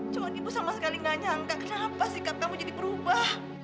cuma ibu sama sekali gak nyangka kenapa sikap kamu jadi berubah